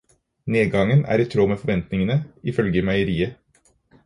Nedgangen er i tråd med forventningene, ifølge meieriet.